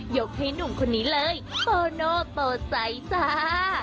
ให้หนุ่มคนนี้เลยโปโน่โปรไซจ้า